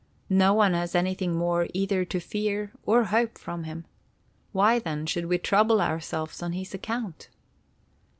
"No one has anything more either to fear or hope from him. Why, then, should we trouble ourselves on his account?"